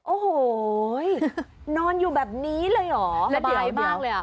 โอ้โหนอนอยู่แบบนี้เลยเหรอระบายมากเลยอ่ะ